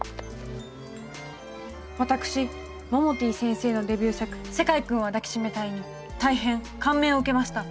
私モモティ先生のデビュー作「世界くんは抱きしめたい」に大変感銘を受けました。